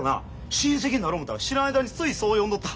親戚になる思うたら知らん間についそう呼んどった。